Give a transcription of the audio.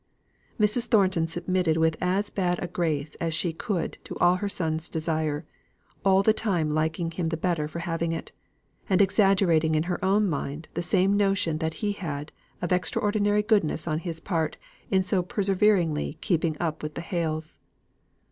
Mrs. Thornton submitted with as bad a grace as she could to her son's desire, all the time liking him the better for having it; and exaggerating in her own mind the same notion that he had of extraordinary goodness on his part in so perseveringly keeping up with the Hales.